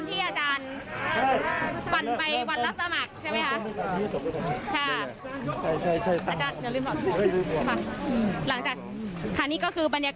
รีลักษณ์โดยกินไหมมันบิงกันกับฮอตรีแฮบลันช์